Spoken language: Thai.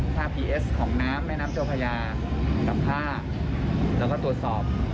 พีเอสของน้ำแม่น้ำเจ้าพญากับผ้าแล้วก็ตรวจสอบ